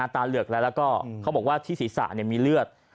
เหลือกแล้วแล้วก็เขาบอกว่าที่ศีรษะมีเลือด